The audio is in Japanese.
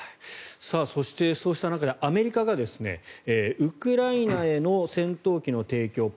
そして、そうした中でアメリカがウクライナへの戦闘機の提供